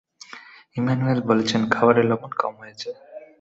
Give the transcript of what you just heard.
Emmanuel বলেছে, খাবারে লবণ কম হয়েছে।